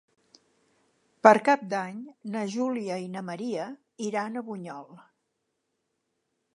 Per Cap d'Any na Júlia i na Maria iran a Bunyol.